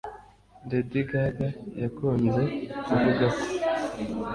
Lady Gaga yakunze kuvuga ko